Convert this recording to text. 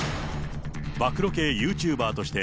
暴露系ユーチューバーとして、